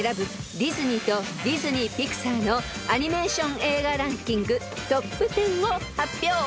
ディズニーとディズニー・ピクサーのアニメーション映画ランキングトップ１０を発表］